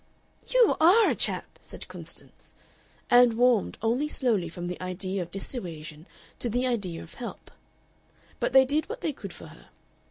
"You ARE a chap!" said Constance, and warmed only slowly from the idea of dissuasion to the idea of help. But they did what they could for her.